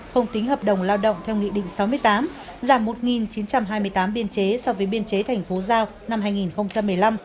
không tính hợp đồng lao động theo nghị định sáu mươi tám giảm một chín trăm hai mươi tám biên chế so với biên chế thành phố giao năm hai nghìn một mươi năm